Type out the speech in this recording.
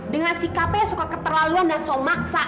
dengan sikapnya suka keterlaluan dan somaksa